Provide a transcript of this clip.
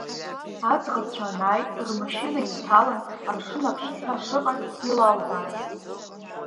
Аӡӷабцәа анааи рмашьына инҭалан, амшын аԥшаҳәа шыҟаз илалбааит.